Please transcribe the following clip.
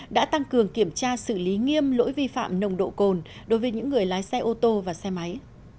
đã tăng cường kiểm tra xử lý nghiêm lỗi vi phạm nồng độ cồn đối với những người lái xe ô tô và xe máy